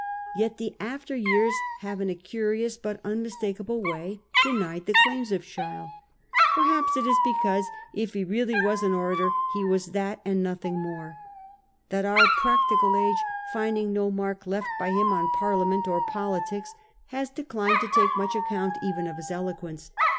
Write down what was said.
Yet the after years have in a curious but unmistak able way denied the claims of Sheil. Perhaps it is because, if he really was an orator, he was that and nothing more, that our practical age, finding no mark left by him on Parliament or politics, has declined to 1837. A REMARKABLE PARLIAMENT. 47 take much, account even of his eloquence.